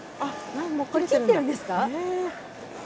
これ切ってるんですか。